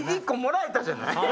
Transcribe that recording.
１個もらえたじゃない。